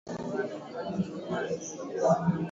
Tumia maziwa kwenyemchanganyiko wa keki ya viazi lishe